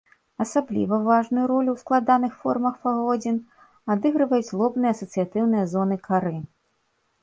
Асабліва важную ролю ў складаных формах паводзін адыгрываюць лобныя асацыятыўныя зоны кары.